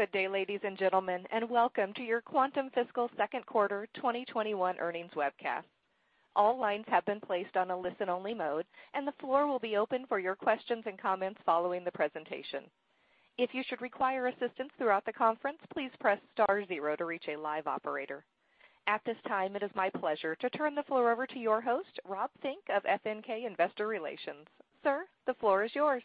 Good day, ladies and gentlemen, and welcome to your Quantum Fiscal Second Quarter 2021 Earnings Webcast. All lines have been placed on a listen-only mode, and the floor will be open for your questions and comments following the presentation. If you should require assistance throughout the conference, please press star zero to reach a live operator. At this time, it is my pleasure to turn the floor over to your host, Rob Fink of FNK Investor Relations. Sir, the floor is yours.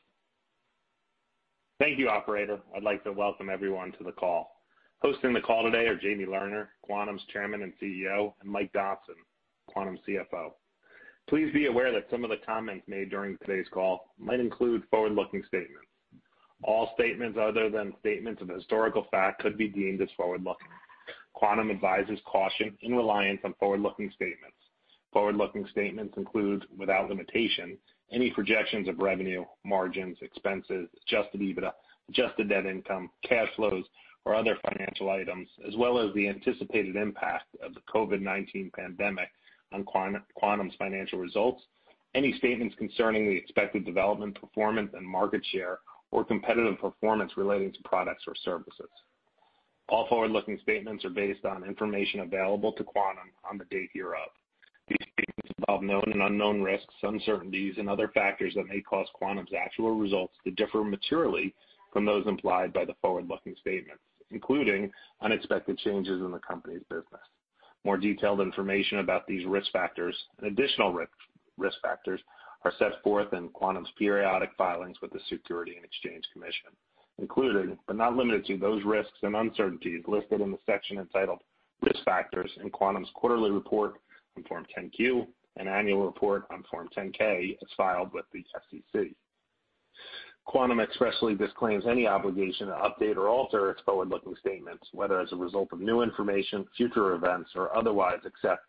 Thank you, operator. I'd like to welcome everyone to the call. Hosting the call today are Jamie Lerner, Quantum's Chairman and CEO, and Mike Dodson, Quantum's CFO. Please be aware that some of the comments made during today's call might include forward-looking statements. All statements other than statements of historical fact could be deemed as forward-looking. Quantum advises caution in reliance on forward-looking statements. Forward-looking statements include, without limitation, any projections of revenue, margins, expenses, adjusted EBITDA, adjusted net income, cash flows, or other financial items, as well as the anticipated impact of the COVID-19 pandemic on Quantum's financial results, any statements concerning the expected development, performance, and market share or competitive performance relating to products or services. All forward-looking statements are based on information available to Quantum on the date hereof. These statements involve known and unknown risks, uncertainties, and other factors that may cause Quantum's actual results to differ materially from those implied by the forward-looking statements, including unexpected changes in the company's business. More detailed information about these risk factors and additional risk factors are set forth in Quantum's periodic filings with the Securities and Exchange Commission, including, but not limited to, those risks and uncertainties listed in the section entitled "Risk Factors" in Quantum's quarterly report on Form 10-Q and annual report on Form 10-K, as filed with the SEC. Quantum expressly disclaims any obligation to update or alter its forward-looking statements, whether as a result of new information, future events, or otherwise, except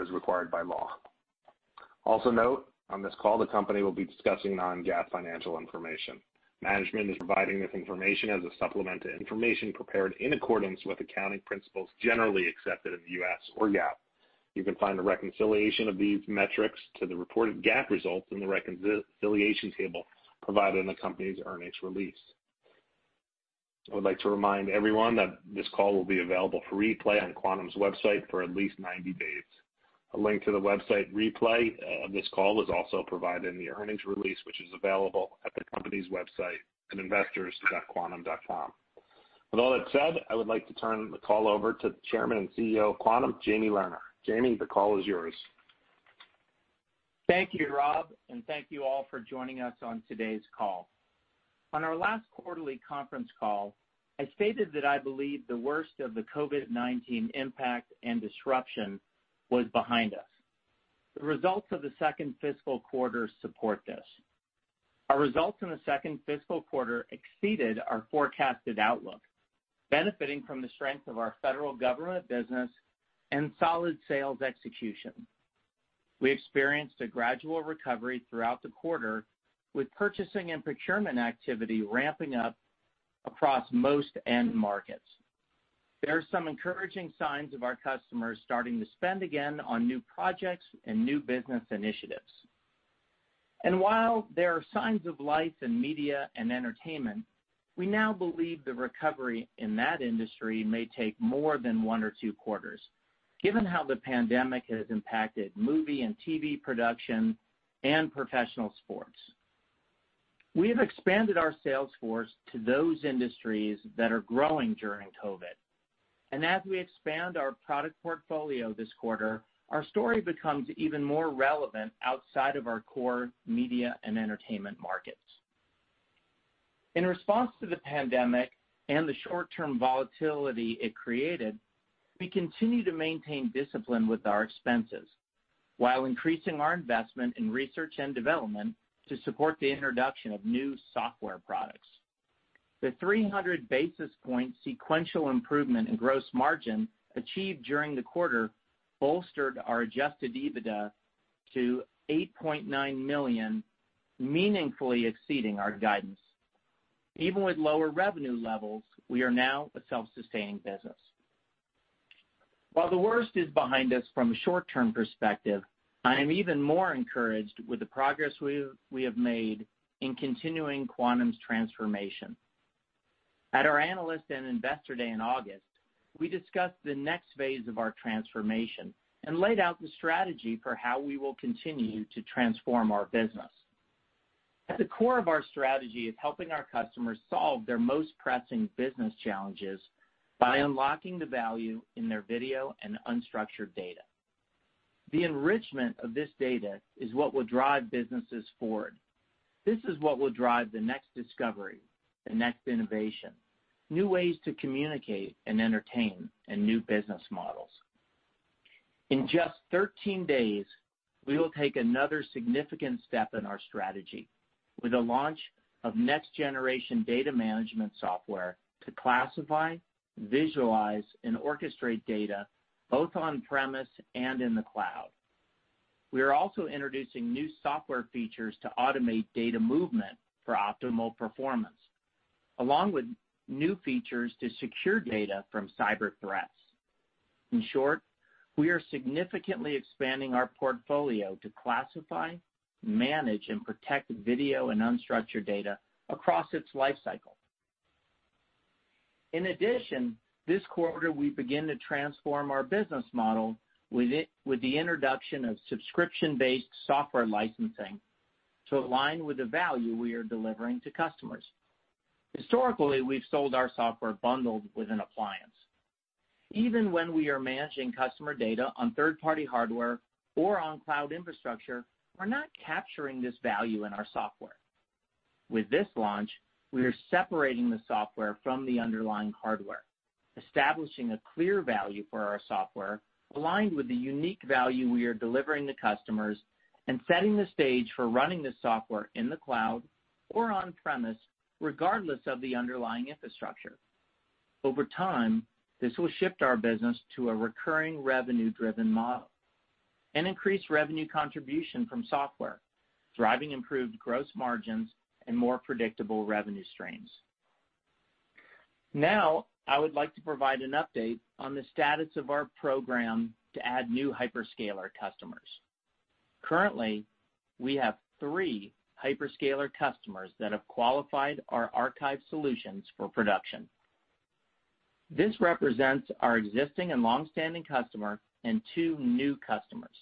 as required by law. Also note, on this call, the company will be discussing non-GAAP financial information. Management is providing this information as a supplement to information prepared in accordance with accounting principles generally accepted in the U.S., or GAAP. You can find a reconciliation of these metrics to the reported GAAP results in the reconciliation table provided in the company's earnings release. I would like to remind everyone that this call will be available for replay on Quantum's website for at least 90 days. A link to the website replay of this call is also provided in the earnings release, which is available at the company's website at investors.quantum.com. With all that said, I would like to turn the call over to the Chairman and CEO of Quantum, Jamie Lerner. Jamie, the call is yours. Thank you, Rob, and thank you all for joining us on today's call. On our last quarterly conference call, I stated that I believe the worst of the COVID-19 impact and disruption was behind us. The results of the second fiscal quarter support this. Our results in the second fiscal quarter exceeded our forecasted outlook, benefiting from the strength of our federal government business and solid sales execution. We experienced a gradual recovery throughout the quarter, with purchasing and procurement activity ramping up across most end markets. There are some encouraging signs of our customers starting to spend again on new projects and new business initiatives. While there are signs of life in media and entertainment, we now believe the recovery in that industry may take more than one or two quarters, given how the pandemic has impacted movie and TV production and professional sports. We have expanded our sales force to those industries that are growing during COVID. As we expand our product portfolio this quarter, our story becomes even more relevant outside of our core media and entertainment markets. In response to the pandemic and the short-term volatility it created, we continue to maintain discipline with our expenses while increasing our investment in research and development to support the introduction of new software products. The 300-basis point sequential improvement in gross margin achieved during the quarter bolstered our adjusted EBITDA to $8.9 million, meaningfully exceeding our guidance. Even with lower revenue levels, we are now a self-sustaining business. While the worst is behind us from a short-term perspective, I am even more encouraged with the progress we have made in continuing Quantum's transformation. At our analyst and investor day in August, we discussed the next phase of our transformation and laid out the strategy for how we will continue to transform our business. At the core of our strategy is helping our customers solve their most pressing business challenges by unlocking the value in their video and unstructured data. The enrichment of this data is what will drive businesses forward. This is what will drive the next discovery, the next innovation, new ways to communicate and entertain, and new business models. In just 13 days, we will take another significant step in our strategy with the launch of next-generation data management software to classify, visualize, and orchestrate data both on-premise and in the cloud. We are also introducing new software features to automate data movement for optimal performance, along with new features to secure data from cyber threats. In short, we are significantly expanding our portfolio to classify, manage, and protect video and unstructured data across its life cycle. In addition, this quarter, we begin to transform our business model with the introduction of subscription-based software licensing to align with the value we are delivering to customers. Historically, we've sold our software bundled with an appliance. Even when we are managing customer data on third-party hardware or on cloud infrastructure, we're not capturing this value in our software. With this launch, we are separating the software from the underlying hardware, establishing a clear value for our software aligned with the unique value we are delivering to customers, and setting the stage for running the software in the cloud or on-premise, regardless of the underlying infrastructure. Over time, this will shift our business to a recurring revenue-driven model and increase revenue contribution from software, driving improved gross margins and more predictable revenue streams. Now, I would like to provide an update on the status of our program to add new hyperscaler customers. Currently, we have three hyperscaler customers that have qualified our archive solutions for production. This represents our existing and longstanding customer and two new customers.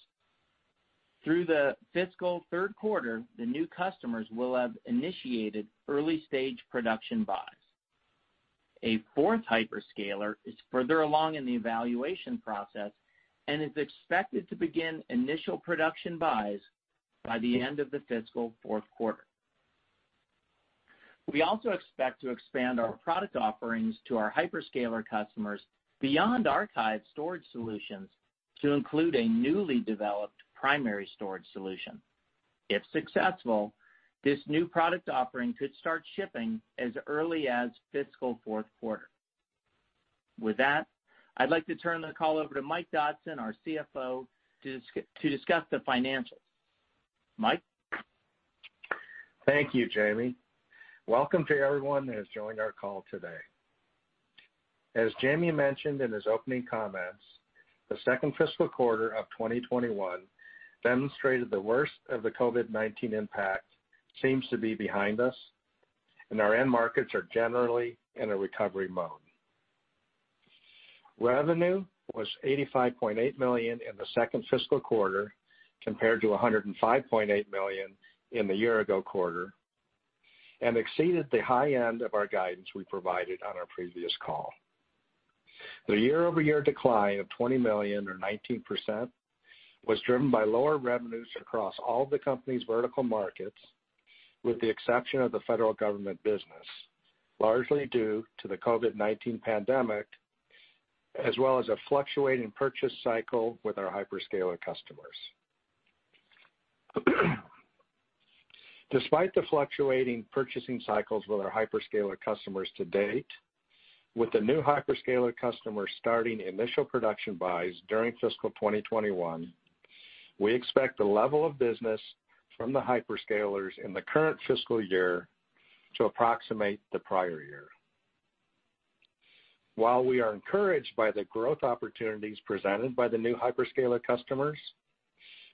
Through the fiscal third quarter, the new customers will have initiated early-stage production buys. A fourth hyperscaler is further along in the evaluation process and is expected to begin initial production buys by the end of the fiscal fourth quarter. We also expect to expand our product offerings to our hyperscaler customers beyond archive storage solutions to include a newly developed primary storage solution. If successful, this new product offering could start shipping as early as fiscal fourth quarter. With that, I'd like to turn the call over to Mike Dodson, our CFO, to discuss the financials. Mike? Thank you, Jamie. Welcome to everyone that has joined our call today. As Jamie mentioned in his opening comments, the second fiscal quarter of 2021 demonstrated the worst of the COVID-19 impact, seems to be behind us, and our end markets are generally in a recovery mode. Revenue was $85.8 million in the second fiscal quarter, compared to $105.8 million in the year-ago quarter, and exceeded the high end of our guidance we provided on our previous call. The year-over-year decline of $20 million or 19% was driven by lower revenues across all the company's vertical markets, with the exception of the federal government business, largely due to the COVID-19 pandemic, as well as a fluctuating purchase cycle with our hyperscaler customers. Despite the fluctuating purchasing cycles with our hyperscaler customers to date, with the new hyperscaler customers starting initial production buys during fiscal 2021, we expect the level of business from the hyperscalers in the current fiscal year to approximate the prior year. While we are encouraged by the growth opportunities presented by the new hyperscaler customers,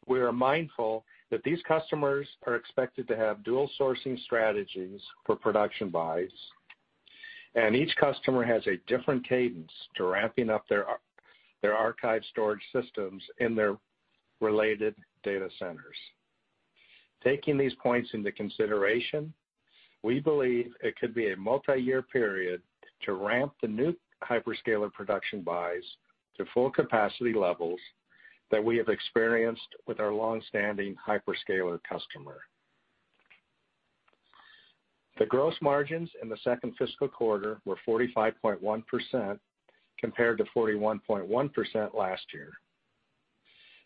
we are mindful that these customers are expected to have dual sourcing strategies for production buys, and each customer has a different cadence to ramping up their archive storage systems in their related data centers. Taking these points into consideration, we believe it could be a multiyear period to ramp the new hyperscaler production buys to full capacity levels that we have experienced with our longstanding hyperscaler customer. The gross margins in the second fiscal quarter were 45.1% compared to 41.1% last year.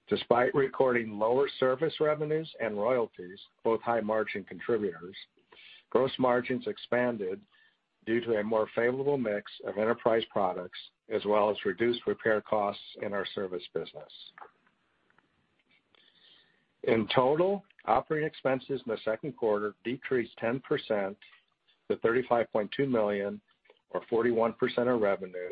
Despite recording lower service revenues and royalties, both high-margin contributors, gross margins expanded due to a more favorable mix of enterprise products as well as reduced repair costs in our service business. In total, operating expenses in the second quarter decreased 10% to $35.2 million or 41% of revenue,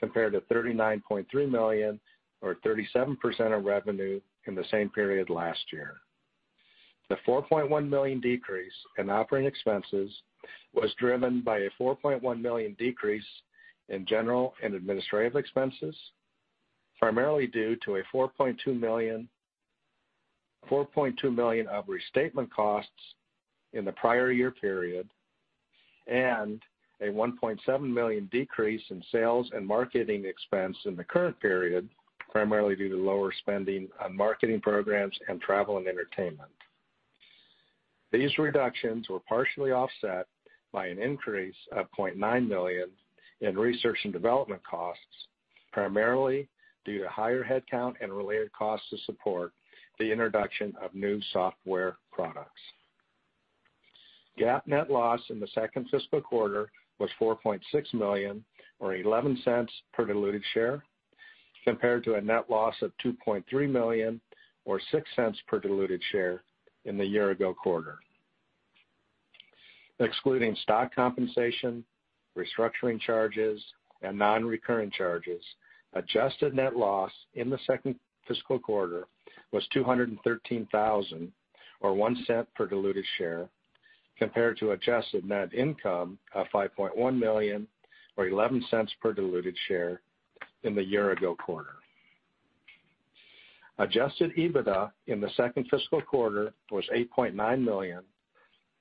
compared to $39.3 million or 37% of revenue in the same period last year. The $4.1 million decrease in operating expenses was driven by a $4.1 million decrease in general and administrative expenses, primarily due to a $4.2 million of restatement costs in the prior year period, and a $1.7 million decrease in sales and marketing expense in the current period, primarily due to lower spending on marketing programs and travel and entertainment. These reductions were partially offset by an increase of $0.9 million in research and development costs, primarily due to higher headcount and related costs to support the introduction of new software products. GAAP net loss in the second fiscal quarter was $4.6 million or $0.11 per diluted share, compared to a net loss of $2.3 million or $0.06 per diluted share in the year-ago quarter. Excluding stock compensation, restructuring charges, and non-recurring charges, adjusted net loss in the second fiscal quarter was $213,000 or $0.01 per diluted share, compared to adjusted net income of $5.1 million or $0.11 per diluted share in the year-ago quarter. Adjusted EBITDA in the second fiscal quarter was $8.9 million,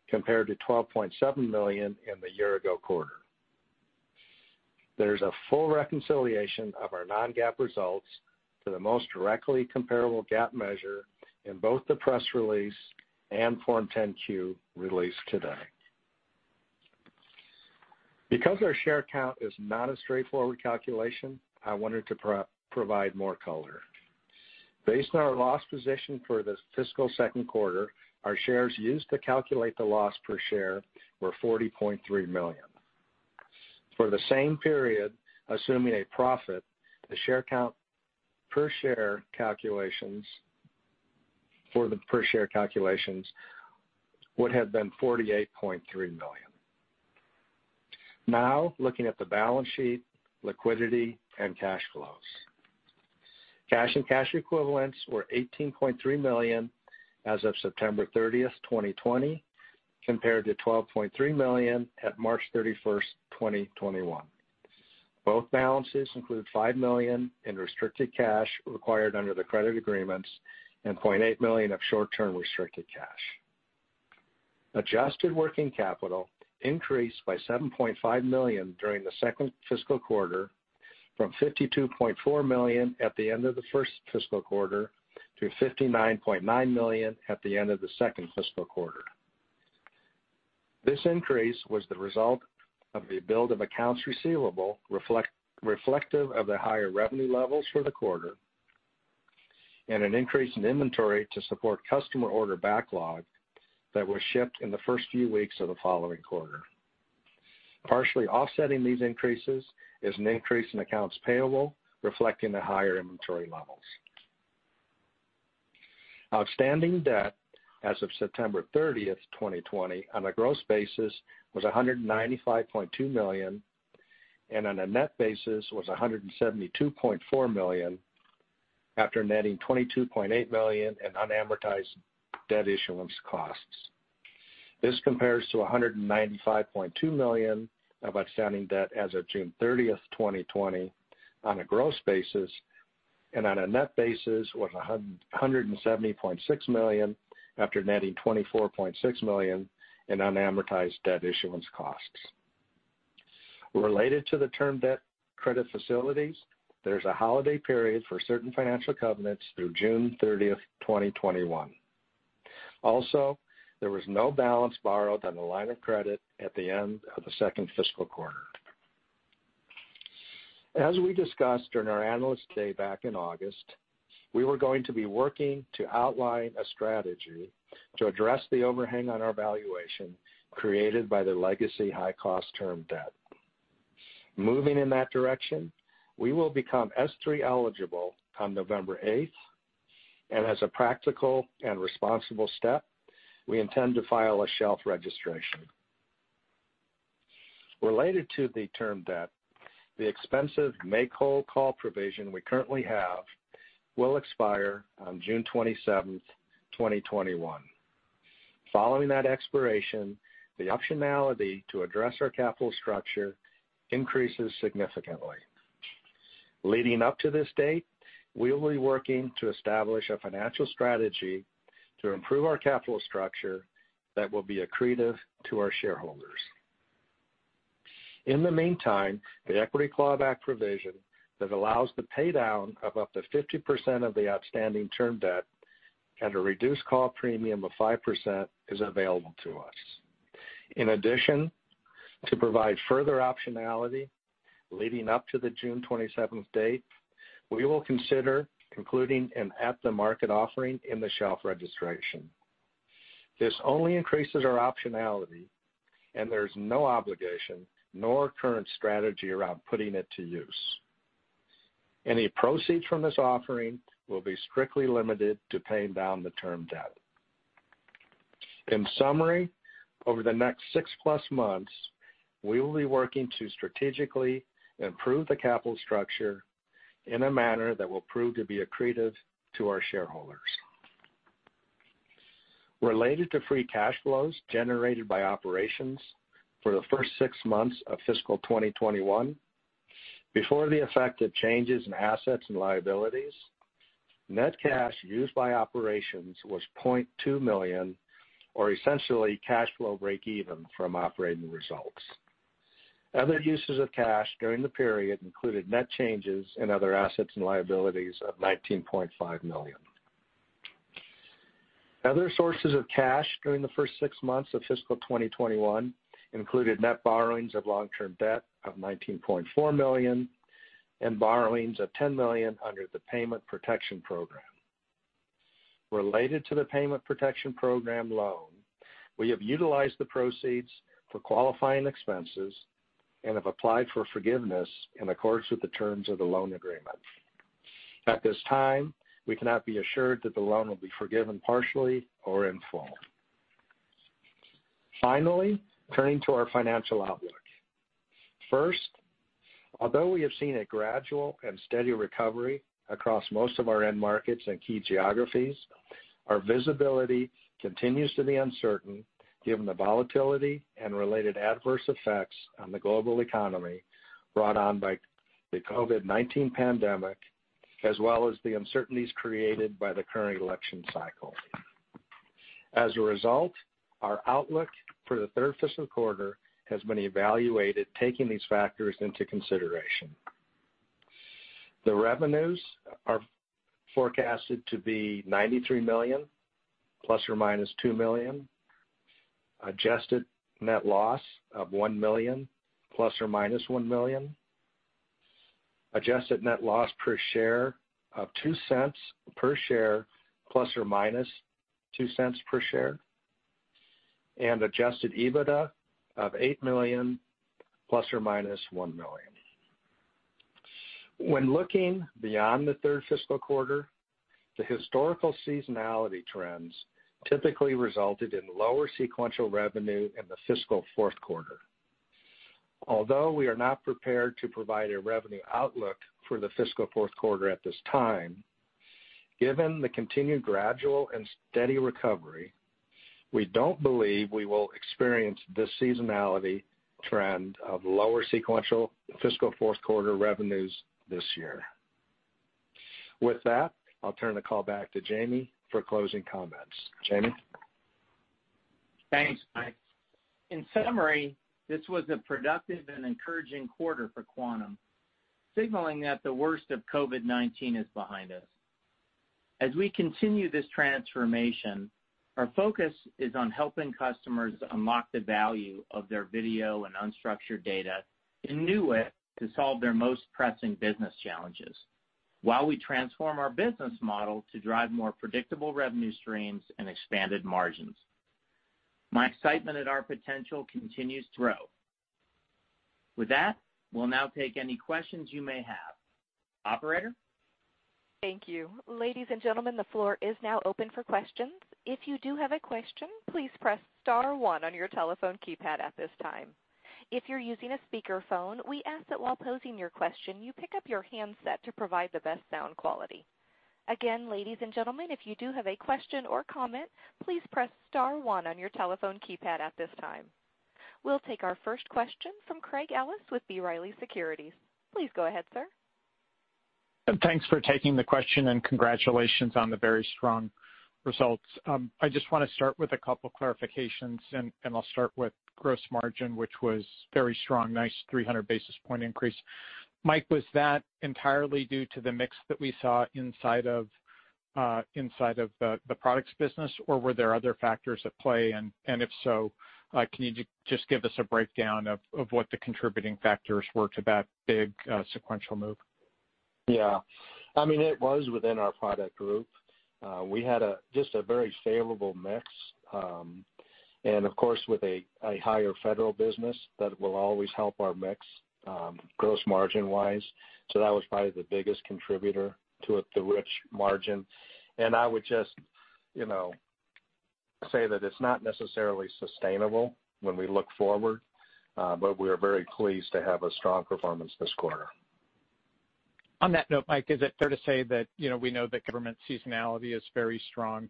compared to $12.7 million in the year-ago quarter. There's a full reconciliation of our non-GAAP results to the most directly comparable GAAP measure in both the press release and Form 10-Q released today. Because our share count is not a straightforward calculation, I wanted to provide more color. Based on our loss position for this fiscal second quarter, our shares used to calculate the loss per share were $40.3 million. For the same period, assuming a profit, the share count for the per share calculations would have been $48.3 million. Looking at the balance sheet, liquidity, and cash flows. Cash and cash equivalents were $18.3 million as of September 30th, 2020, compared to $12.3 million at March 31st, 2021. Both balances include $5 million in restricted cash required under the credit agreements and $0.8 million of short-term restricted cash. Adjusted working capital increased by $7.5 million during the second fiscal quarter, from $52.4 million at the end of the first fiscal quarter to $59.9 million at the end of the second fiscal quarter. This increase was the result of the build of accounts receivable reflective of the higher revenue levels for the quarter, and an increase in inventory to support customer order backlog that was shipped in the first few weeks of the following quarter. Partially offsetting these increases is an increase in accounts payable, reflecting the higher inventory levels. Outstanding debt as of September 30th, 2020, on a gross basis, was $195.2 million, and on a net basis was $172.4 million after netting $22.8 million in unamortized debt issuance costs. This compares to $195.2 million of outstanding debt as of June 30th, 2020, on a gross basis, and on a net basis was $170.6 million after netting $24.6 million in unamortized debt issuance costs. Related to the term debt credit facilities, there's a holiday period for certain financial covenants through June 30th, 2021. There was no balance borrowed on the line of credit at the end of the second fiscal quarter. As we discussed during our Analyst Day back in August, we were going to be working to outline a strategy to address the overhang on our valuation created by the legacy high-cost term debt. Moving in that direction, we will become S-3 eligible on November 8th, and as a practical and responsible step, we intend to file a shelf registration. Related to the term debt, the expensive make-whole call provision we currently have will expire on June 27th, 2021. Following that expiration, the optionality to address our capital structure increases significantly. Leading up to this date, we will be working to establish a financial strategy to improve our capital structure that will be accretive to our shareholders. In the meantime, the equity clawback provision that allows the pay-down of up to 50% of the outstanding term debt at a reduced call premium of 5% is available to us. In addition, to provide further optionality leading up to the June 27th date, we will consider including an at-the-market offering in the shelf registration. This only increases our optionality, and there's no obligation nor current strategy around putting it to use. Any proceeds from this offering will be strictly limited to paying down the term debt. In summary, over the next six-plus months, we will be working to strategically improve the capital structure in a manner that will prove to be accretive to our shareholders. Related to free cash flows generated by operations for the first six months of fiscal 2021, before the effect of changes in assets and liabilities, net cash used by operations was $0.2 million or essentially cash flow breakeven from operating results. Other uses of cash during the period included net changes in other assets and liabilities of $19.5 million. Other sources of cash during the first six months of fiscal 2021 included net borrowings of long-term debt of $19.4 million and borrowings of $10 million under the Paycheck Protection Program. Related to the Paycheck Protection Program loan, we have utilized the proceeds for qualifying expenses and have applied for forgiveness in accordance with the terms of the loan agreement. At this time, we cannot be assured that the loan will be forgiven partially or in full. Finally, turning to our financial outlook. First, although we have seen a gradual and steady recovery across most of our end markets and key geographies, our visibility continues to be uncertain given the volatility and related adverse effects on the global economy brought on by the COVID-19 pandemic, as well as the uncertainties created by the current election cycle. As a result, our outlook for the third fiscal quarter has been evaluated, taking these factors into consideration. The revenues are forecasted to be $93 million, ± $2 million. Adjusted net loss of $1 million, ± $1 million. Adjusted net loss per share of $0.02 per share, ±$0.02 per share. Adjusted EBITDA of $8 million, ±$1 million. When looking beyond the third fiscal quarter, the historical seasonality trends typically resulted in lower sequential revenue in the fiscal fourth quarter. Although we are not prepared to provide a revenue outlook for the fiscal fourth quarter at this time, given the continued gradual and steady recovery, we don't believe we will experience the seasonality trend of lower sequential fiscal fourth quarter revenues this year. With that, I'll turn the call back to Jamie for closing comments. Jamie? Thanks, Mike. In summary, this was a productive and encouraging quarter for Quantum, signaling that the worst of COVID-19 is behind us. As we continue this transformation, our focus is on helping customers unlock the value of their video and unstructured data in new ways to solve their most pressing business challenges while we transform our business model to drive more predictable revenue streams and expanded margins. My excitement at our potential continues to grow. With that, we will now take any questions you may have. Operator? Thank you. Ladies and gentlemen, the floor is now open for questions. If you do have a question, please press star one on your telephone keypad at this time. If you're using a speakerphone, we ask that while posing your question, you pick up your handset to provide the best sound quality. Again, ladies and gentlemen, if you do have a question or comment, please press star one on your telephone keypad at this time. We'll take our first question from Craig Ellis with B. Riley Securities. Please go ahead, sir. Thanks for taking the question. Congratulations on the very strong results. I just want to start with a couple clarifications, and I'll start with gross margin, which was very strong. Nice 300 basis point increase. Mike, was that entirely due to the mix that we saw inside of the products business, or were there other factors at play? If so, can you just give us a breakdown of what the contributing factors were to that big sequential move? Yeah. It was within our product group. We had just a very favorable mix. Of course, with a higher federal business, that will always help our mix gross margin wise. That was probably the biggest contributor to the rich margin. I would just say that it's not necessarily sustainable when we look forward, but we are very pleased to have a strong performance this quarter. On that note, Mike, is it fair to say that, we know that government seasonality is very strong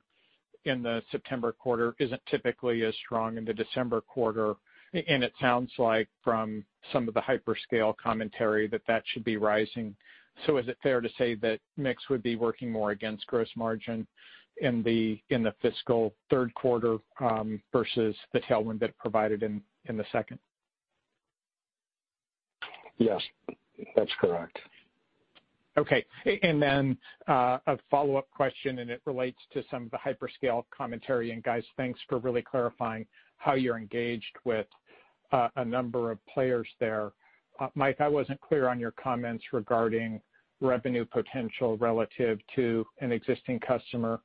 in the September quarter, isn't typically as strong in the December quarter. It sounds like from some of the hyperscale commentary that that should be rising. Is it fair to say that mix would be working more against gross margin in the fiscal third quarter versus the tailwind that it provided in the second? Yes, that's correct. Okay. Then a follow-up question, and it relates to some of the hyperscale commentary. Guys, thanks for really clarifying how you're engaged with a number of players there. Mike, I wasn't clear on your comments regarding revenue potential relative to an existing customer.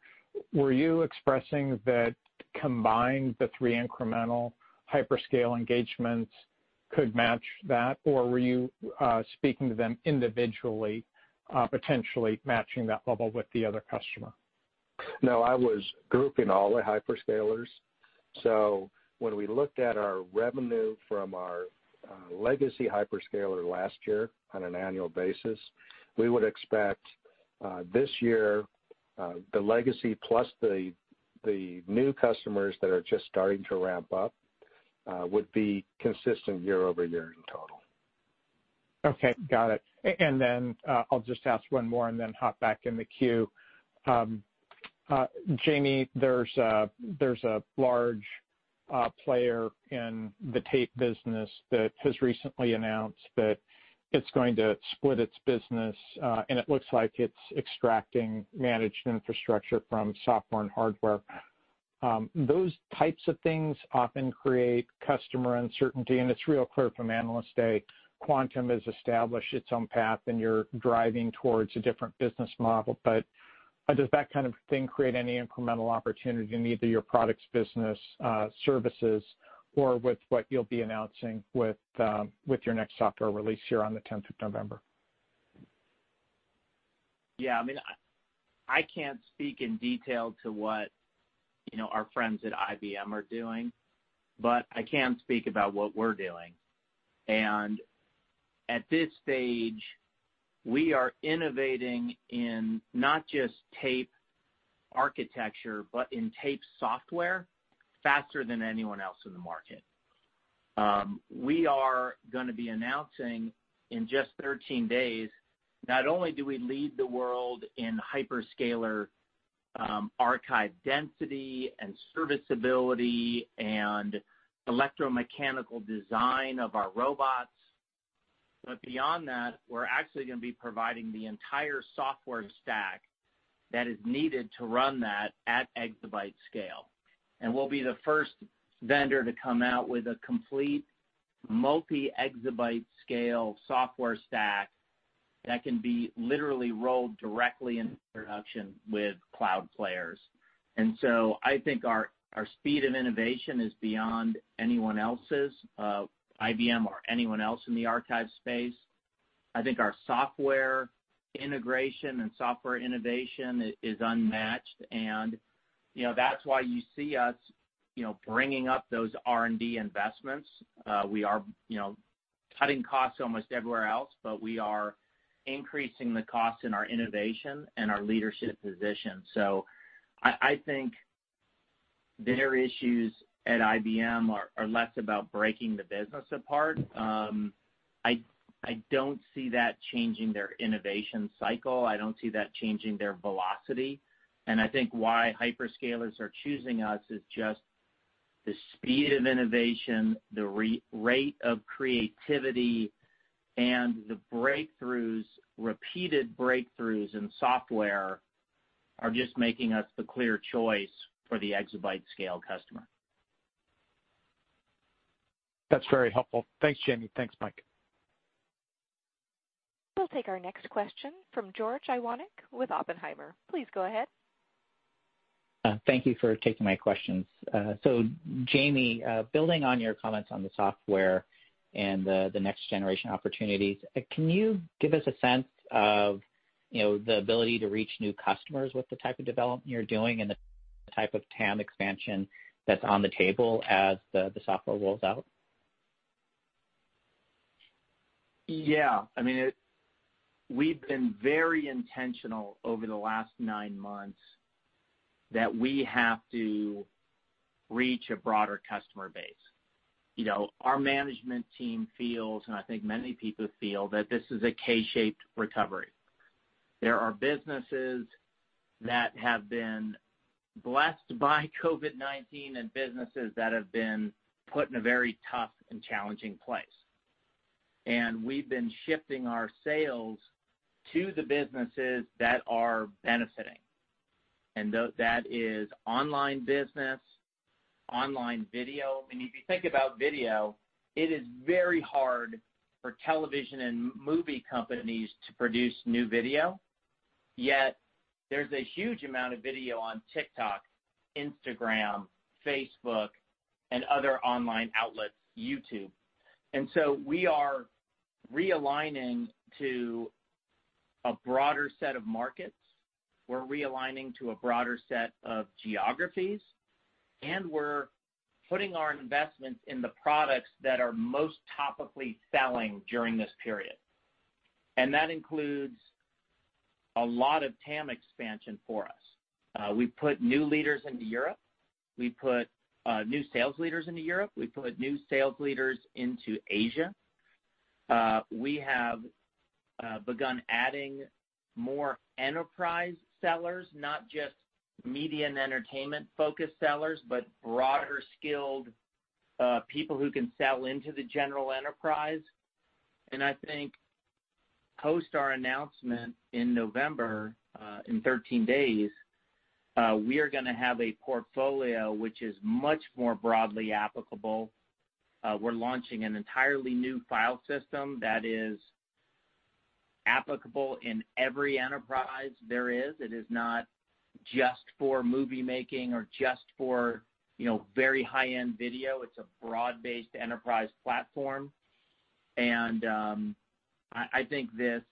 Were you expressing that combined, the three incremental hyperscale engagements could match that? Were you speaking to them individually, potentially matching that level with the other customer? No, I was grouping all the hyperscalers. When we looked at our revenue from our legacy hyperscaler last year on an annual basis, we would expect this year, the legacy plus the new customers that are just starting to ramp up, would be consistent year-over-year in total. Okay, got it. Then I'll just ask one more and then hop back in the queue. Jamie, there's a large player in the tape business that has recently announced that it's going to split its business, and it looks like it's extracting managed infrastructure from software and hardware. Those types of things often create customer uncertainty, and it's real clear from Analyst Day, Quantum has established its own path, and you're driving towards a different business model. Does that kind of thing create any incremental opportunity in either your products business services or with what you'll be announcing with your next software release here on the 10th of November? Yeah. I can't speak in detail to what our friends at IBM are doing, but I can speak about what we're doing. At this stage, we are innovating in not just tape architecture, but in tape software faster than anyone else in the market. We are going to be announcing in just 13 days, not only do we lead the world in hyperscaler archive density and serviceability and electromechanical design of our robots, but beyond that, we're actually going to be providing the entire software stack that is needed to run that at exabyte scale. We'll be the first vendor to come out with a complete multi-exabyte scale software stack that can be literally rolled directly into production with cloud players. I think our speed of innovation is beyond anyone else's, IBM or anyone else in the archive space. I think our software integration and software innovation is unmatched, and that's why you see us bringing up those R&D investments. We are cutting costs almost everywhere else, but we are increasing the cost in our innovation and our leadership position. I think their issues at IBM are less about breaking the business apart. I don't see that changing their innovation cycle. I don't see that changing their velocity. I think why hyperscalers are choosing us is just the speed of innovation, the rate of creativity, and the repeated breakthroughs in software are just making us the clear choice for the exabyte scale customer. That's very helpful. Thanks, Jamie. Thanks, Mike. We'll take our next question from George Iwanyc with Oppenheimer. Please go ahead. Thank you for taking my questions. Jamie, building on your comments on the software and the next generation opportunities, can you give us a sense of the ability to reach new customers with the type of development you're doing and the type of TAM expansion that's on the table as the software rolls out? Yeah. We've been very intentional over the last nine months that we have to reach a broader customer base. Our management team feels, and I think many people feel, that this is a K-shaped recovery. There are businesses that have been blessed by COVID-19 and businesses that have been put in a very tough and challenging place. We've been shifting our sales to the businesses that are benefiting. That is online business, online video. If you think about video, it is very hard for television and movie companies to produce new video, yet there's a huge amount of video on TikTok, Instagram, Facebook, and other online outlets, YouTube. We are realigning to a broader set of markets. We're realigning to a broader set of geographies, and we're putting our investments in the products that are most topically selling during this period. That includes a lot of TAM expansion for us. We put new leaders into Europe. We put new sales leaders into Europe. We put new sales leaders into Asia. We have begun adding more enterprise sellers, not just media and entertainment-focused sellers, but broader skilled people who can sell into the general enterprise. I think post our announcement in November, in 13 days, we are going to have a portfolio which is much more broadly applicable. We're launching an entirely new file system that is applicable in every enterprise there is. It is not just for movie making or just for very high-end video. It's a broad-based enterprise platform. I think this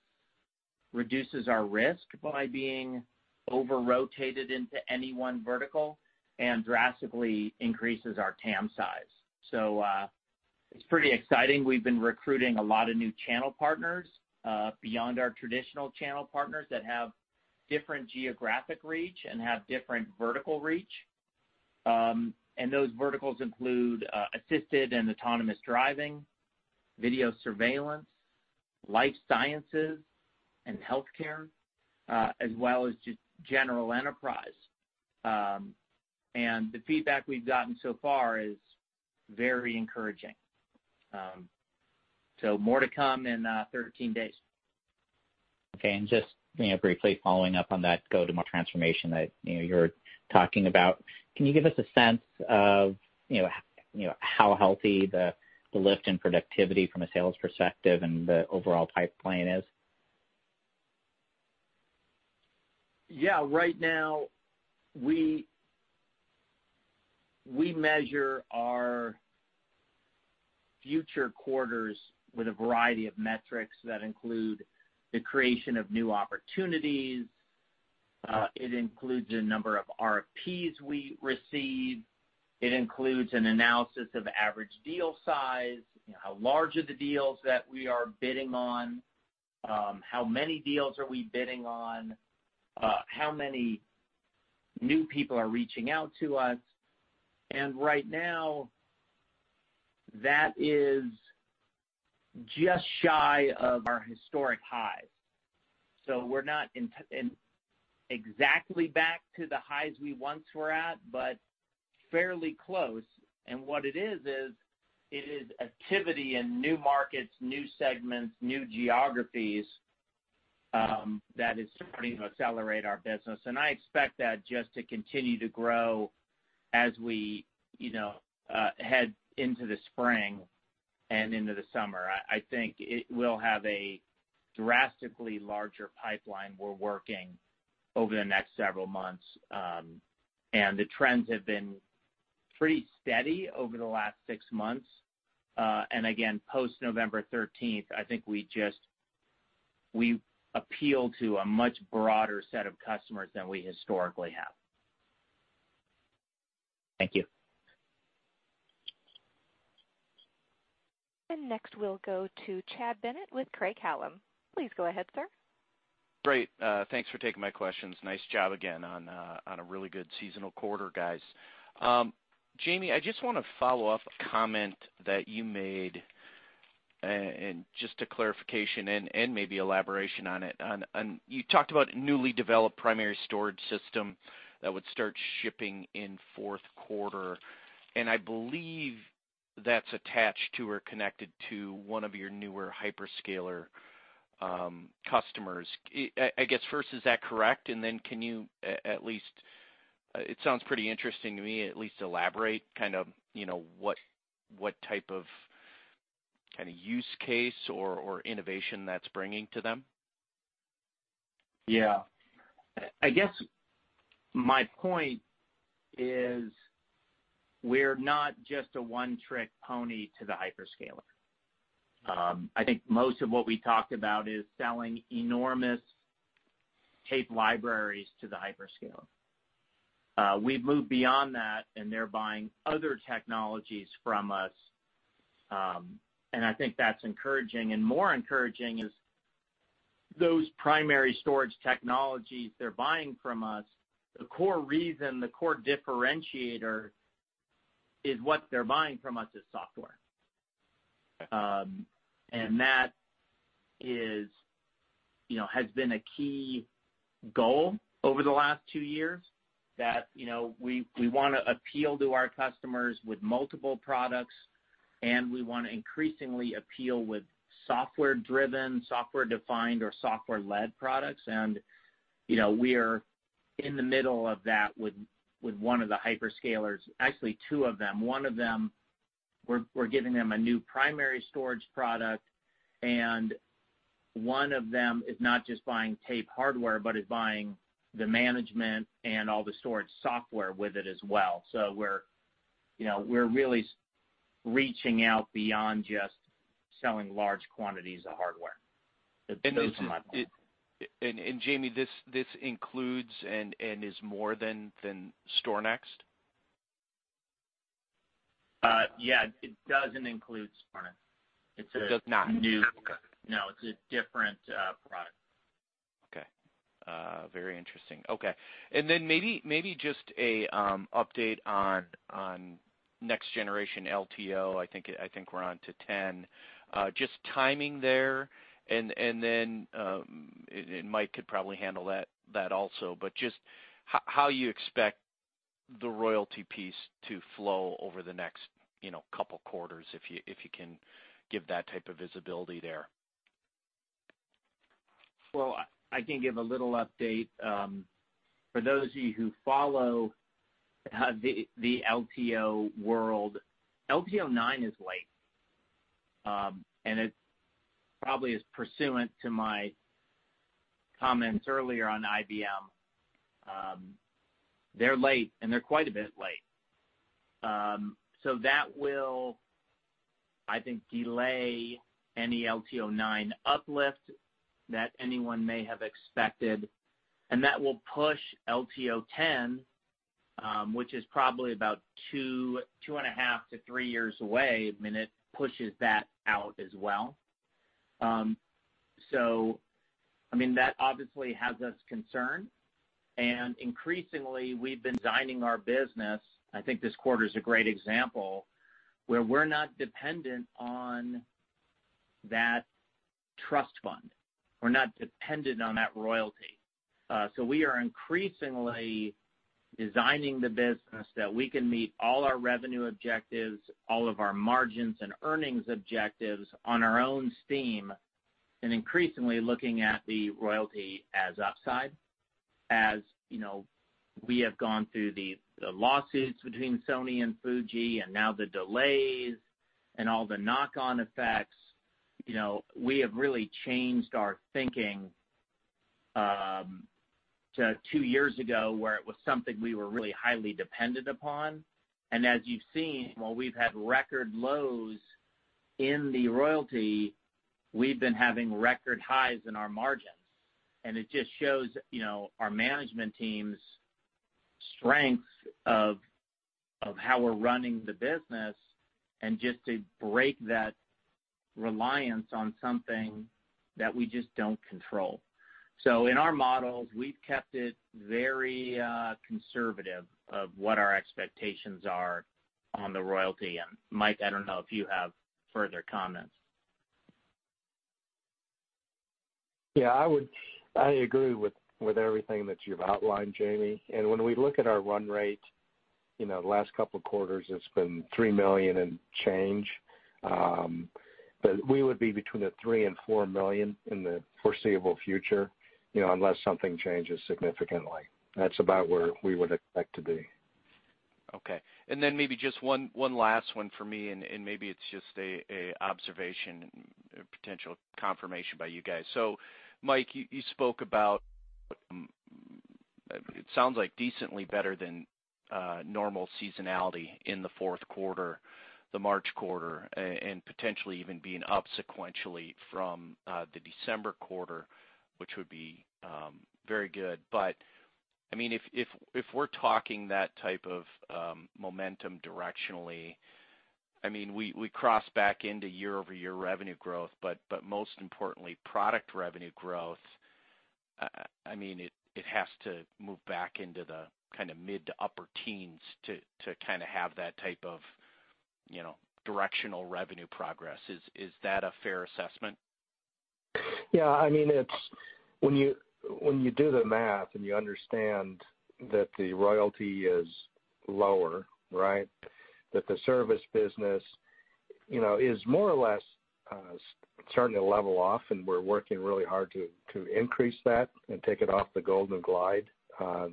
reduces our risk by being over-rotated into any one vertical and drastically increases our TAM size. It's pretty exciting. We've been recruiting a lot of new channel partners beyond our traditional channel partners that have different geographic reach and have different vertical reach. Those verticals include assisted and autonomous driving, video surveillance, life sciences, and healthcare, as well as just general enterprise. The feedback we've gotten so far is very encouraging. More to come in 13 days. Okay, just briefly following up on that go-to-market transformation that you're talking about, can you give us a sense of how healthy the lift in productivity from a sales perspective and the overall pipeline is? Yeah. Right now, we measure our future quarters with a variety of metrics that include the creation of new opportunities. It includes the number of RFPs we receive. It includes an analysis of average deal size, how large are the deals that we are bidding on, how many deals are we bidding on, how many new people are reaching out to us. Right now, that is just shy of our historic highs. We're not exactly back to the highs we once were at, but fairly close. What it is it is activity in new markets, new segments, new geographies that is starting to accelerate our business. I expect that just to continue to grow as we head into the spring and into the summer. I think it will have a drastically larger pipeline we're working over the next several months. The trends have been pretty steady over the last six months. Again, post November 13th, I think we appeal to a much broader set of customers than we historically have. Thank you. Next we'll go to Chad Bennett with Craig-Hallum. Please go ahead, sir. Great. Thanks for taking my questions. Nice job again on a really good seasonal quarter, guys. Jamie, I just want to follow up a comment that you made, and just a clarification and maybe elaboration on it. You talked about newly developed primary storage system that would start shipping in fourth quarter, and I believe that's attached to or connected to one of your newer hyperscaler customers. I guess first, is that correct? Then can you at least, it sounds pretty interesting to me, at least elaborate what type of use case or innovation that's bringing to them? Yeah. I guess my point is we're not just a one-trick pony to the hyperscaler. I think most of what we talked about is selling enormous tape libraries to the hyperscaler. We've moved beyond that, and they're buying other technologies from us, and I think that's encouraging. More encouraging is those primary storage technologies they're buying from us, the core reason, the core differentiator is what they're buying from us is software. That has been a key goal over the last two years, that we wanna appeal to our customers with multiple products, and we wanna increasingly appeal with software-driven, software-defined, or software-led products. We are in the middle of that with one of the hyperscalers. Actually, two of them. One of them, we're giving them a new primary storage product, one of them is not just buying tape hardware, but is buying the management and all the storage software with it as well. We're really reaching out beyond just selling large quantities of hardware. Those are my points. Jamie, this includes and is more than StorNext? Yeah. It doesn't include StorNext. It does not. Okay. No. It's a different product. Okay. Very interesting. Okay. Maybe just an update on next generation LTO. I think we're on to 10. Just timing there, and then Mike could probably handle that also, but just how you expect the royalty piece to flow over the next couple quarters, if you can give that type of visibility there. Well, I can give a little update. For those of you who follow the LTO world, LTO-9 is late. It probably is pursuant to my comments earlier on IBM. They're late, and they're quite a bit late. That will, I think, delay any LTO-9 uplift that anyone may have expected, and that will push LTO-10, which is probably about two and a half to three years away. I mean, it pushes that out as well. That obviously has us concerned, and increasingly we've been designing our business, I think this quarter's a great example, where we're not dependent on that trust fund. We're not dependent on that royalty. We are increasingly designing the business that we can meet all our revenue objectives, all of our margins and earnings objectives on our own steam, and increasingly looking at the royalty as upside. As we have gone through the lawsuits between Sony and Fujifilm and now the delays and all the knock-on effects. We have really changed our thinking to two years ago, where it was something we were really highly dependent upon. As you've seen, while we've had record lows in the royalty, we've been having record highs in our margins. It just shows our management team's strength of how we're running the business and just to break that reliance on something that we just don't control. In our models, we've kept it very conservative of what our expectations are on the royalty. Mike, I don't know if you have further comments. Yeah, I agree with everything that you've outlined, Jamie. When we look at our run rate, the last couple of quarters, it's been $3 million and change. We would be between the $3 million and $4 million in the foreseeable future, unless something changes significantly. That's about where we would expect to be. Okay. Maybe just one last one for me, and maybe it's just a observation or potential confirmation by you guys. Mike, you spoke about, it sounds like decently better than normal seasonality in the fourth quarter, the March quarter, and potentially even being up sequentially from the December quarter, which would be very good. If we're talking that type of momentum directionally, we cross back into year-over-year revenue growth, but most importantly, product revenue growth. It has to move back into the kind of mid to upper teens to have that type of directional revenue progress. Is that a fair assessment? Yeah. When you do the math and you understand that the royalty is lower, right? That the service business is more or less starting to level off, and we're working really hard to increase that and take it off the golden glide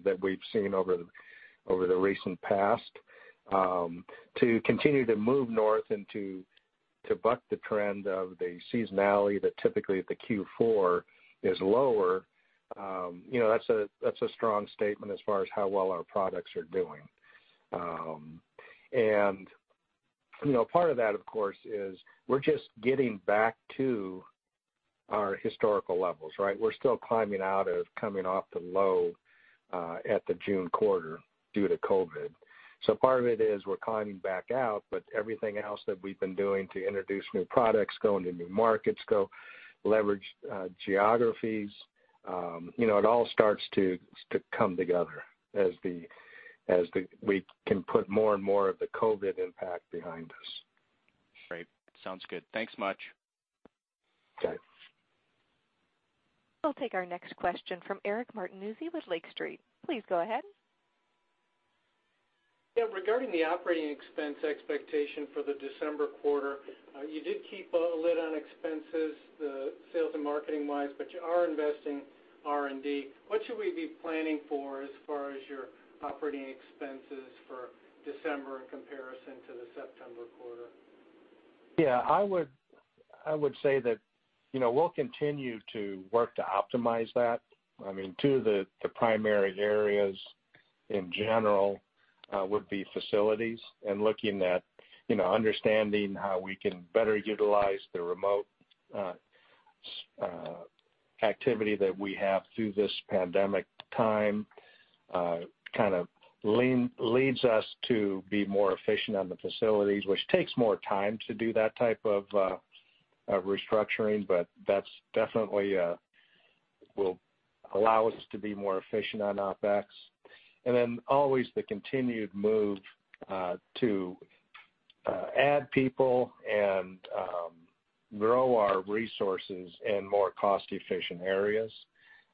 that we've seen over the recent past. To continue to move north and to buck the trend of the seasonality that typically at the Q4 is lower, that's a strong statement as far as how well our products are doing. Part of that, of course, is we're just getting back to our historical levels, right? We're still climbing out of coming off the low at the June quarter due to COVID. Part of it is we're climbing back out, but everything else that we've been doing to introduce new products, go into new markets, go leverage geographies, it all starts to come together as we can put more and more of the COVID impact behind us. Great. Sounds good. Thanks much. Okay. We'll take our next question from Eric Martinuzzi with Lake Street. Please go ahead. Yeah. Regarding the operating expense expectation for the December quarter, you did keep a lid on expenses, the sales and marketing-wise, but you are investing R&D. What should we be planning for as far as your operating expenses for December in comparison to the September quarter? Yeah, I would say that we'll continue to work to optimize that. Two of the primary areas in general would be facilities and looking at understanding how we can better utilize the remote activity that we have through this pandemic time, kind of leads us to be more efficient on the facilities, which takes more time to do that type of restructuring, but that definitely will allow us to be more efficient on OpEx. Always the continued move to add people and grow our resources in more cost-efficient areas.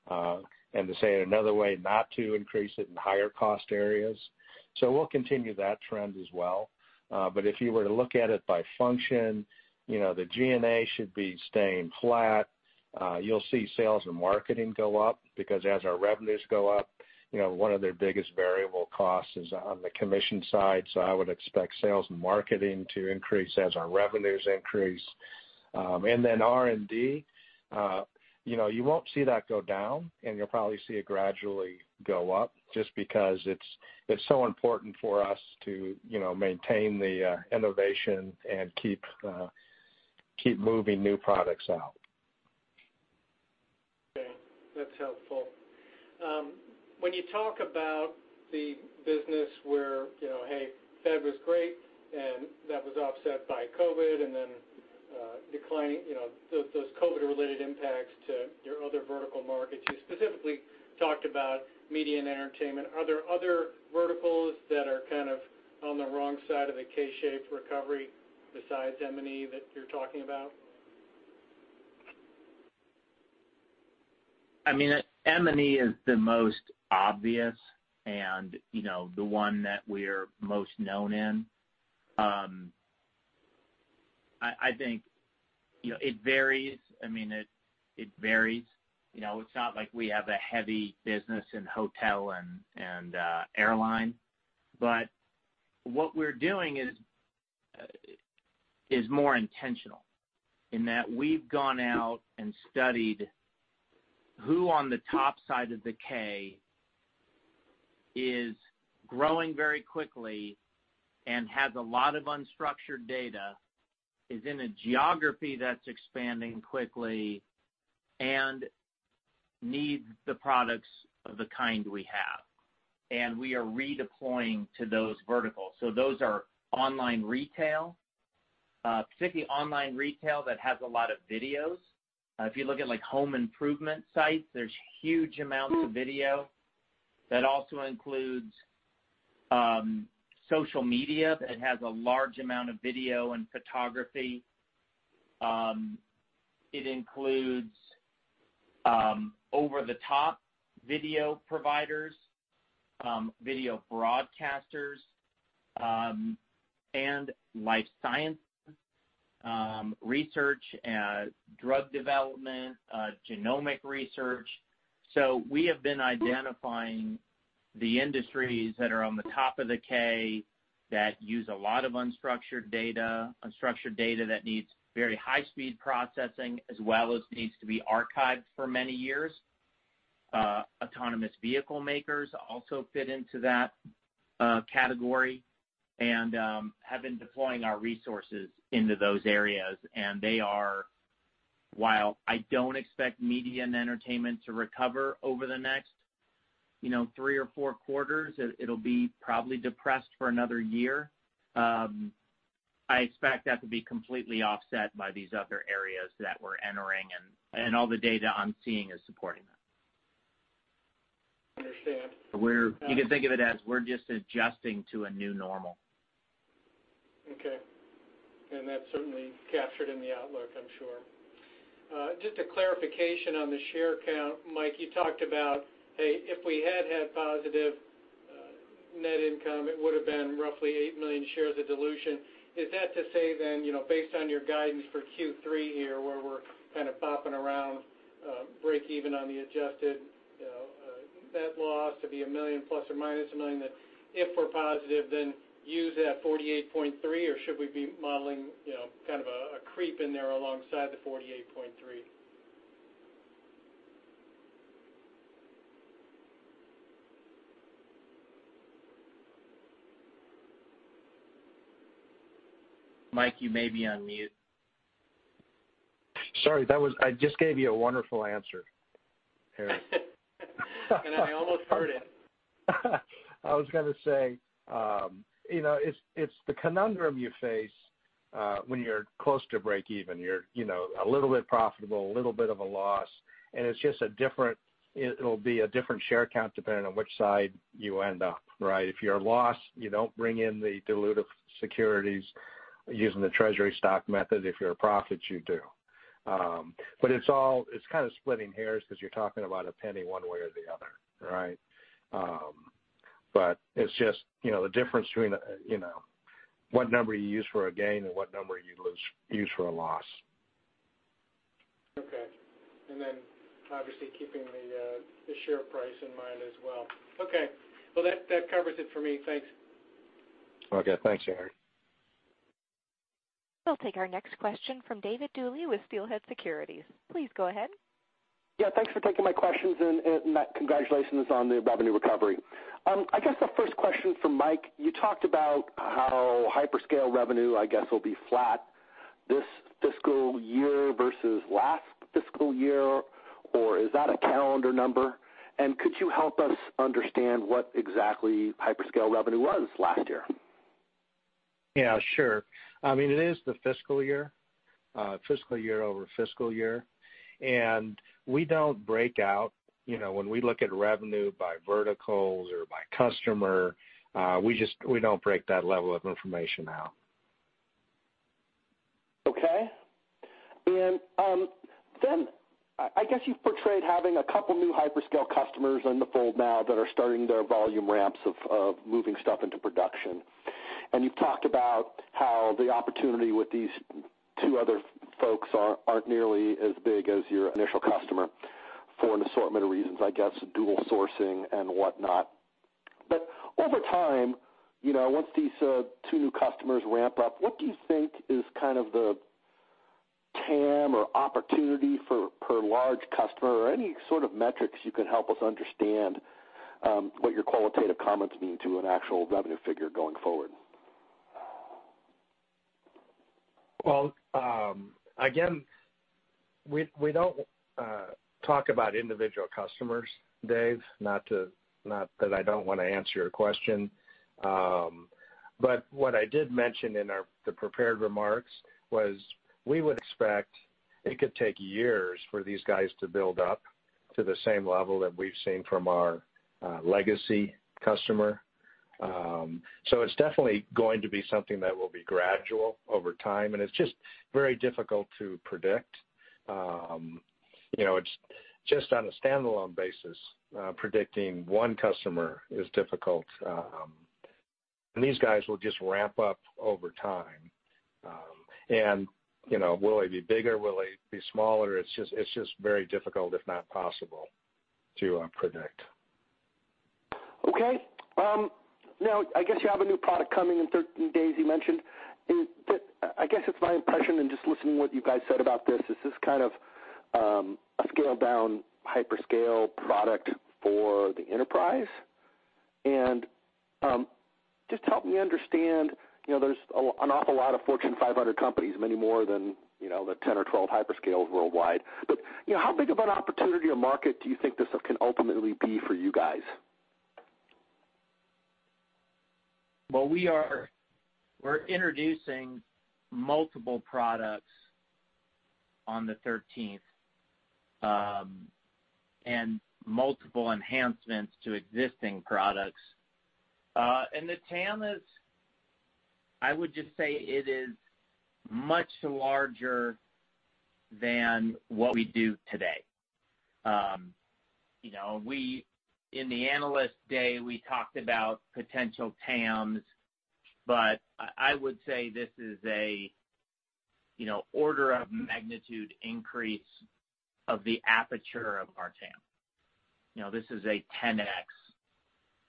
To say it another way, not to increase it in higher cost areas. We'll continue that trend as well. If you were to look at it by function, the G&A should be staying flat. You'll see sales and marketing go up because as our revenues go up, one of their biggest variable costs is on the commission side. I would expect sales and marketing to increase as our revenues increase. R&D, you won't see that go down, and you'll probably see it gradually go up just because it's so important for us to maintain the innovation and keep moving new products out. Okay. That's helpful. When you talk about the business where, hey, Feb was great, and that was offset by COVID, and then those COVID-related impacts to your other vertical markets, you specifically talked about media and entertainment. Are there other verticals that are kind of on the wrong side of a K-shaped recovery besides M&E that you're talking about? M&E is the most obvious and the one that we're most known in. I think it varies. It's not like we have a heavy business in hotel and airline. What we're doing is more intentional in that we've gone out and studied who on the top side of the K is growing very quickly and has a lot of unstructured data, is in a geography that's expanding quickly, and needs the products of the kind we have. We are redeploying to those verticals. Those are online retail, specifically online retail that has a lot of videos. If you look at home improvement sites, there's huge amounts of video. That also includes social media that has a large amount of video and photography. It includes over-the-top video providers, video broadcasters, and life science research, drug development, genomic research. We have been identifying the industries that are on the top of the Quantum that use a lot of unstructured data, unstructured data that needs very high-speed processing as well as needs to be archived for many years. Autonomous vehicle makers also fit into that category and have been deploying our resources into those areas. While I don't expect media and entertainment to recover over the next three or four quarters, it'll be probably depressed for another year. I expect that to be completely offset by these other areas that we're entering, and all the data I'm seeing is supporting that. Understood. You can think of it as we're just adjusting to a new normal. Okay. That's certainly captured in the outlook, I'm sure. Just a clarification on the share count, Mike, you talked about, hey, if we had had positive net income, it would've been roughly eight million shares of dilution. Is that to say, based on your guidance for Q3 here, where we're kind of bumping around breakeven on the adjusted net loss to be $1 million plus or minus $1 million, that if we're positive, then use that 48.3, or should we be modeling kind of a creep in there alongside the 48.3? Mike, you may be on mute. Sorry, I just gave you a wonderful answer, Eric. I almost heard it. I was gonna say it's the conundrum you face when you're close to breakeven. You're a little bit profitable, a little bit of a loss, and it'll be a different share count depending on which side you end up, right? If you're a loss, you don't bring in the dilutive securities using the treasury stock method. If you're a profit, you do. It's kind of splitting hairs because you're talking about a penny one way or the other, right? It's just the difference between what number you use for a gain and what number you'd use for a loss. Okay. Obviously keeping the share price in mind as well. Okay. Well, that covers it for me. Thanks. Okay. Thanks, Eric. We'll take our next question from David Dooley with Steelhead Securities. Please go ahead. Thanks for taking my questions, Mike, congratulations on the revenue recovery. I guess the first question for Mike, you talked about how hyperscale revenue, I guess, will be flat this fiscal year versus last fiscal year, or is that a calendar number? Could you help us understand what exactly hyperscale revenue was last year? Yeah, sure. It is the fiscal year, fiscal year-over-fiscal year. We don't break out when we look at revenue by verticals or by customer. We don't break that level of information out. Okay. Then I guess you've portrayed having a couple new hyperscale customers in the fold now that are starting their volume ramps of moving stuff into production. You've talked about how the opportunity with these two other folks aren't nearly as big as your initial customer for an assortment of reasons, I guess, dual sourcing and whatnot. Over time, once these two new customers ramp up, what do you think is kind of the TAM or opportunity per large customer? Any sort of metrics you can help us understand what your qualitative comments mean to an actual revenue figure going forward? Well, again, we don't talk about individual customers, Dave, not that I don't want to answer your question. What I did mention in the prepared remarks was we would expect it could take years for these guys to build up to the same level that we've seen from our legacy customer. It's definitely going to be something that will be gradual over time, and it's just very difficult to predict. Just on a standalone basis, predicting one customer is difficult. These guys will just ramp up over time. Will they be bigger? Will they be smaller? It's just very difficult, if not possible to predict. Okay. Now, I guess you have a new product coming in 13 days, you mentioned. I guess it's my impression in just listening to what you guys said about this, is this kind of a scaled down hyperscale product for the enterprise? Just help me understand, there's an awful lot of Fortune 500 companies, many more than the 10 or 12 hyperscales worldwide. How big of an opportunity or market do you think this can ultimately be for you guys? Well, we're introducing multiple products on the 13th, and multiple enhancements to existing products. The TAM is I would just say it is much larger than what we do today. In the Analyst Day, we talked about potential TAMs, I would say this is a order of magnitude increase of the aperture of our TAM. This is a 10x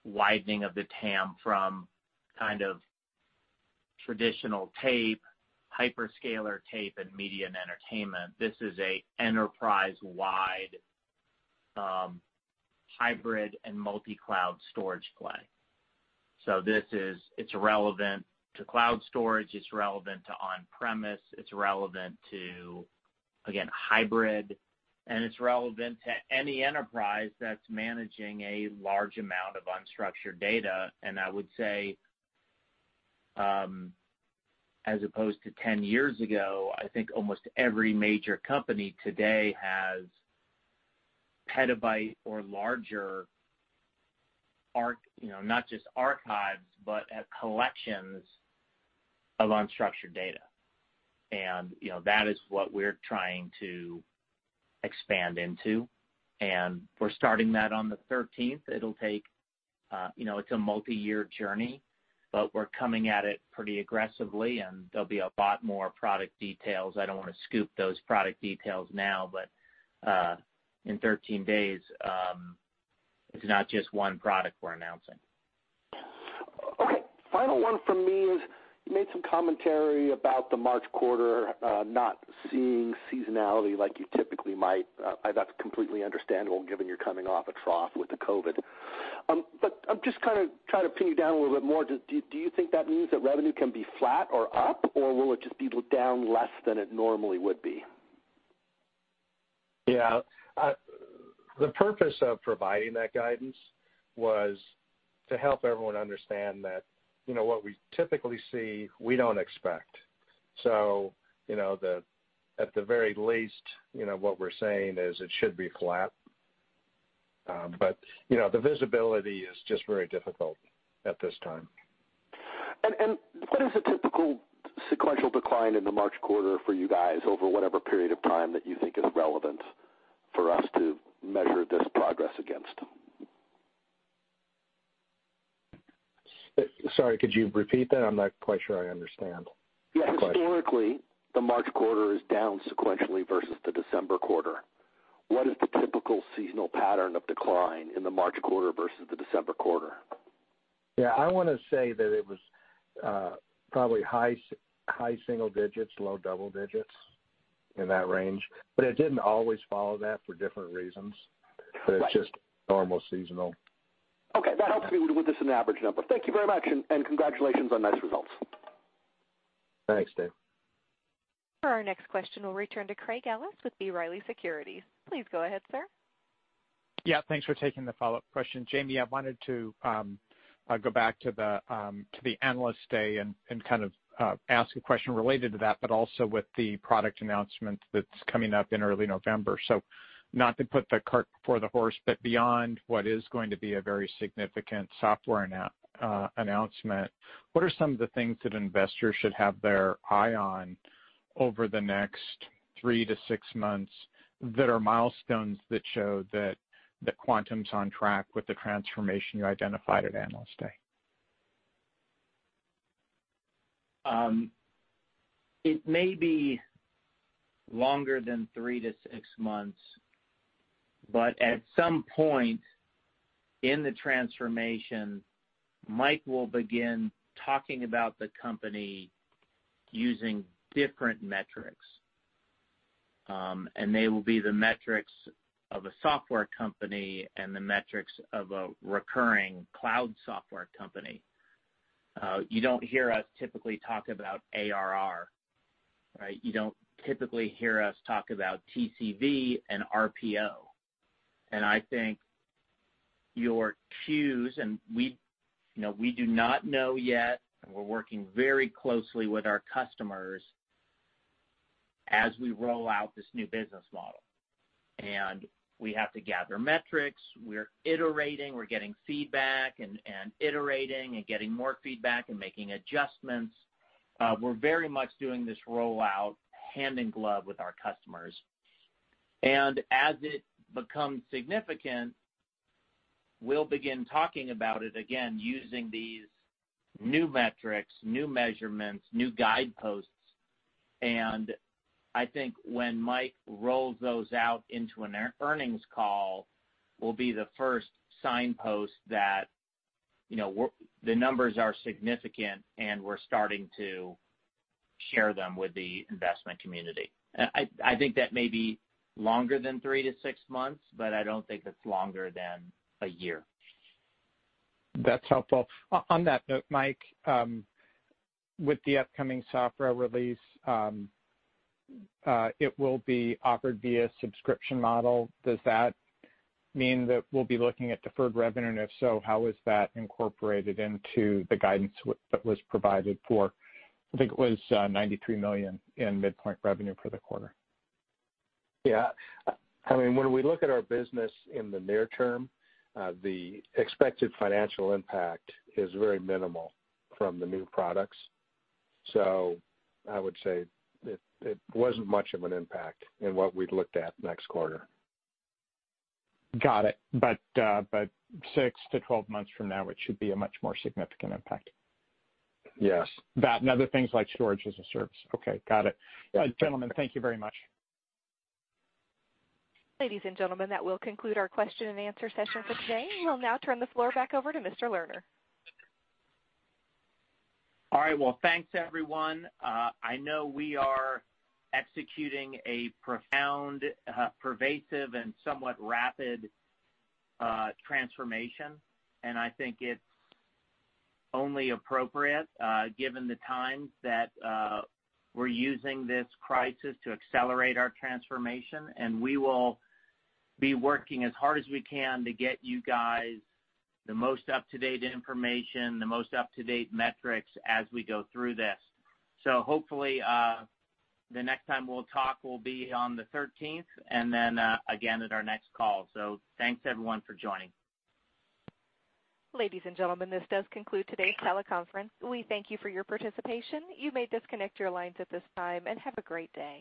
widening of the TAM from kind of traditional tape, hyperscaler tape, and media and entertainment. This is an enterprise-wide hybrid and multi-cloud storage play. This is relevant to cloud storage, it's relevant to on-premise, it's relevant to, again, hybrid, and it's relevant to any enterprise that's managing a large amount of unstructured data. I would say, as opposed to 10 years ago, I think almost every major company today has petabyte or larger, not just archives, but collections of unstructured data. That is what we're trying to expand into, and we're starting that on the 13th. It's a multi-year journey, but we're coming at it pretty aggressively, and there'll be a lot more product details. I don't want to scoop those product details now, but in 13 days, it's not just one product we're announcing. Okay. Final one from me is. You made some commentary about the March quarter, not seeing seasonality like you typically might. That's completely understandable given you're coming off a trough with the COVID. I'm just kind of trying to pin you down a little bit more. Do you think that means that revenue can be flat or up, or will it just be down less than it normally would be? Yeah. The purpose of providing that guidance was to help everyone understand that what we typically see, we don't expect. At the very least, what we're saying is it should be flat. The visibility is just very difficult at this time. What is a typical sequential decline in the March quarter for you guys over whatever period of time that you think is relevant for us to measure this progress against? Sorry, could you repeat that? I'm not quite sure I understand the question. Historically, the March quarter is down sequentially versus the December quarter. What is the typical seasonal pattern of decline in the March quarter versus the December quarter? Yeah. I want to say that it was probably high single digits, low double digits in that range. It didn't always follow that for different reasons. It's just normal seasonal. Okay, that helps me with this, an average number. Thank you very much, and congratulations on nice results. Thanks, Dave. For our next question, we'll return to Craig Ellis with B. Riley Securities. Please go ahead, sir. Yeah, thanks for taking the follow-up question. Jamie, I wanted to go back to the Analyst Day and kind of ask a question related to that, but also with the product announcement that's coming up in early November. Not to put the cart before the horse, but beyond what is going to be a very significant software announcement, what are some of the things that investors should have their eye on over the next three to six months that are milestones that show that Quantum's on track with the transformation you identified at Analyst Day? It may be longer than three to six months, but at some point in the transformation, Mike will begin talking about the company using different metrics. They will be the metrics of a software company and the metrics of a recurring cloud software company. You don't hear us typically talk about ARR, right? You don't typically hear us talk about TCV and RPO. I think your cues, and we do not know yet, and we're working very closely with our customers as we roll out this new business model. We have to gather metrics. We're iterating, we're getting feedback, and iterating, and getting more feedback, and making adjustments. We're very much doing this rollout hand in glove with our customers. As it becomes significant. We'll begin talking about it again using these new metrics, new measurements, new guideposts. I think when Mike rolls those out into an earnings call will be the first signpost that the numbers are significant, and we're starting to share them with the investment community. I think that may be longer than three to six months, but I don't think it's longer than a year. That's helpful. On that note, Mike, with the upcoming software release, it will be offered via subscription model. Does that mean that we'll be looking at deferred revenue? If so, how is that incorporated into the guidance that was provided for, I think it was $93 million in midpoint revenue for the quarter? Yeah. When we look at our business in the near term, the expected financial impact is very minimal from the new products. I would say it wasn't much of an impact in what we'd looked at next quarter. Got it. 6-12 months from now, it should be a much more significant impact. Yes. That and other things like storage as a service. Okay. Got it. Yes. Gentlemen, thank you very much. Ladies and gentlemen, that will conclude our question and answer session for today. We'll now turn the floor back over to Mr. Lerner. All right. Well, thanks, everyone. I know we are executing a profound, pervasive, and somewhat rapid transformation. I think it's only appropriate given the times that we're using this crisis to accelerate our transformation. We will be working as hard as we can to get you guys the most up-to-date information, the most up-to-date metrics as we go through this. Hopefully, the next time we'll talk will be on the 13th and then again at our next call. Thanks, everyone, for joining. Ladies and gentlemen, this does conclude today's teleconference. We thank you for your participation. You may disconnect your lines at this time, and have a great day.